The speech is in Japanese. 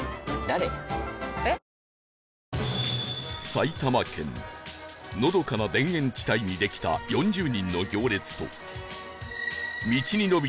埼玉県のどかな田園地帯にできた４０人の行列と